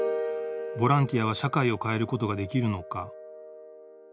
ボランティアは社会を変えることができるのか。